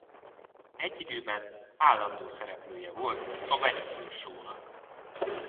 Egy időben állandó szereplője volt a Benny Hill Shownak.